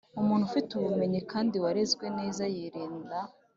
umuntu ufite ubumenyi kandi warezwe neza yirinda.